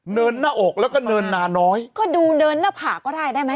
เนินหน้าอกแล้วก็เนินนาน้อยก็ดูเดินหน้าผากก็ได้ได้ไหม